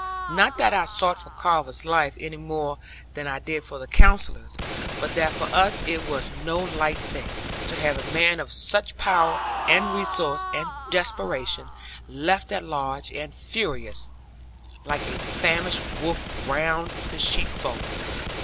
Not that I sought for Carver's life, any more than I did for the Counsellor's; but that for us it was no light thing, to have a man of such power, and resource, and desperation, left at large and furious, like a famished wolf round the sheepfold.